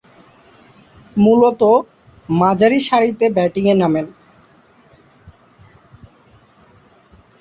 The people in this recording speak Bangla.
মূলতঃ মাঝারিসারিতে ব্যাটিংয়ে নামেন।